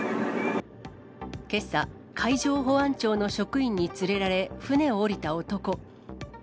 けさ、海上保安庁の職員に連れられ、船を降りた男。